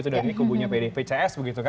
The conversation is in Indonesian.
dan ini kubunya pcs begitu kan